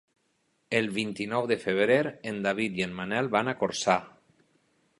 El vint-i-nou de febrer en David i en Manel van a Corçà.